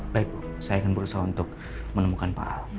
baik bu saya akan berusaha untuk menemukan pak al